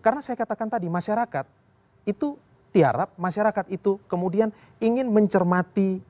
karena saya katakan tadi masyarakat itu tiarap masyarakat itu kemudian ingin mencermati